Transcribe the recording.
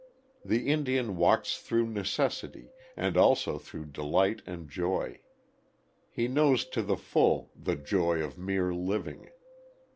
The Indian walks through necessity, and also through delight and joy. He knows to the full "the joy of mere living."